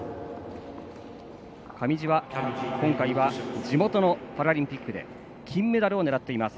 上地は今回は地元のパラリンピックで金メダルを狙っています。